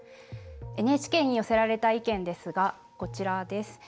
ＮＨＫに寄せられた意見ですがこちらです。